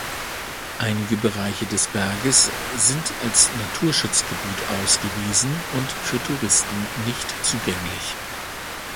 Einige Bereiche des Berges sind als Naturschutzgebiet ausgewiesen und für Touristen nicht zugänglich.